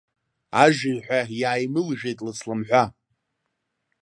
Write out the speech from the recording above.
Ажыҩҳәа иааимылжәеит лыцламҳәа.